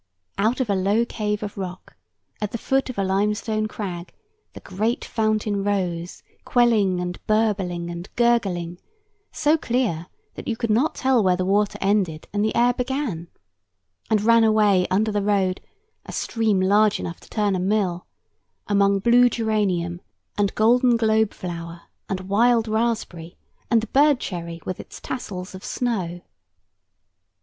Out of a low cave of rock, at the foot of a limestone crag, the great fountain rose, quelling, and bubbling, and gurgling, so clear that you could not tell where the water ended and the air began; and ran away under the road, a stream large enough to turn a mill; among blue geranium, and golden globe flower, and wild raspberry, and the bird cherry with its tassels of snow.